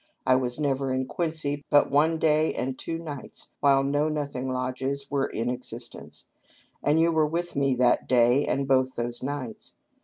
I was never in Quincy but one day and two nights while Know Nothing lodges were in exist ence, and you were with me that day and both those nights.